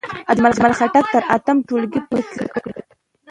اجمل خټک تر اتم ټولګی په کلي کې زدکړې وکړې.